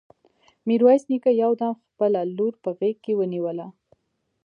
ميرويس نيکه يو دم خپله لور په غېږ کې ونيوله.